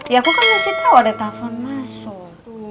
ya aku kan masih tau ada telfon masuk